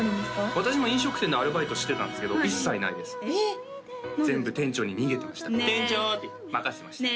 私も飲食店でアルバイトしてたんですけど一切ないです全部店長に逃げてました「店長！」って任せてましたね